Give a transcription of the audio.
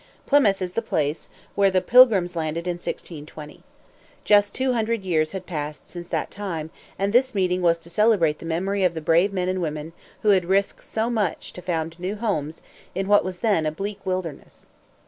Plymouth is the place where the Pilgrims landed in 1620. Just two hundred years had passed since that time, and this meeting was to celebrate the memory of the brave men and women who had risked so much to found new homes in what was then a bleak wilderness.